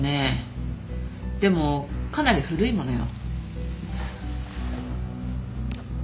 でもかなり古いものよ。